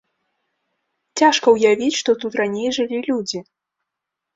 Цяжка ўявіць, што тут раней жылі людзі.